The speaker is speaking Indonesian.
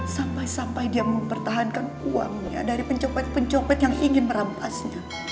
sampai sampai dia mempertahankan uangnya dari pencopet pencopet yang ingin merampasnya